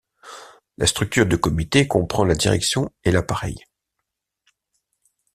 La structure du comité comprend la direction et l'appareil.